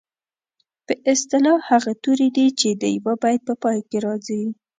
په اصطلاح هغه توري دي چې د یوه بیت په پای کې راځي.